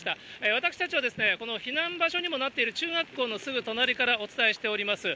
私たちは、この避難場所にもなっている中学校のすぐ隣からお伝えしております。